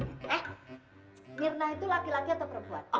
eh mirna itu laki laki atau perempuan